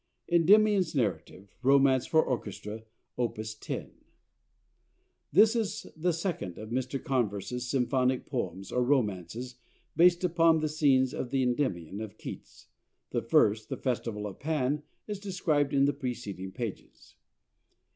"ENDYMION'S NARRATIVE," ROMANCE FOR ORCHESTRA: Op. 10 This is the second of Mr. Converse's symphonic poems, or "romances," based upon scenes in the "Endymion" of Keats (the first, "The Festival of Pan," is described in the preceding pages).